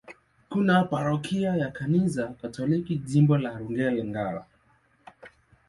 Kuna parokia ya Kanisa Katoliki, Jimbo la Rulenge-Ngara.